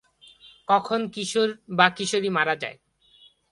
কখন কিশোর বা কিশোরী মারা যায়?